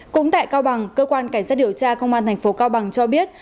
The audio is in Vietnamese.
cũng tại cao bằng cơ quan cảnh sát điều tra công an tp cao bằng cho biết